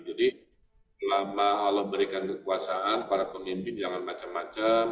jadi selama allah berikan kekuasaan para pemimpin jangan macam macam